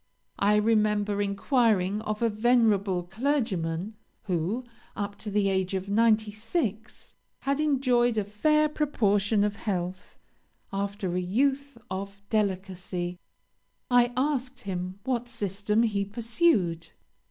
I remember inquiring of a venerable clergyman, who, up to the age of ninety six, had enjoyed a fair proportion of health, after a youth of delicacy. I asked him what system he pursued.